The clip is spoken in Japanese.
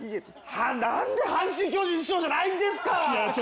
なんで阪神・巨人師匠じゃないんですか！